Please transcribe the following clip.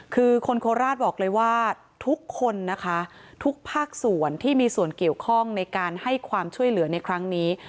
คือคนโคราชบอกเลยว่าทุกคนนะคะทุกภาคส่วนที่มีส่วนเกี่ยวข้องในการให้ความช่วยเหลือในครั้งนี้